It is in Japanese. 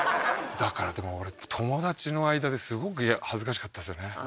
だからでも俺友達の間ですごく恥ずかしかったですよね。